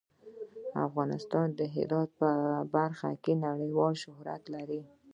افغانستان د هرات په برخه کې نړیوال شهرت لري.